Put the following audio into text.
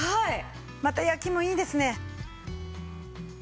また焼きもいいですね。